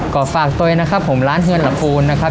ก็ฝากตัวเองนะครับผมร้านเฮือนลำพูนนะครับ